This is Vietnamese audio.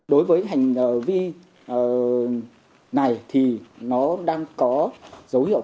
đối với hành vi này thì nó đang có dấu hiệu